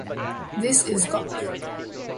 This Is Goth!